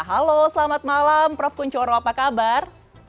halo selamat malam prof kunchoro apa kabar